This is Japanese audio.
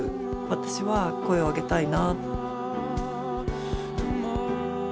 私は声を上げたいな。